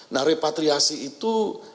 nah repatriasi itu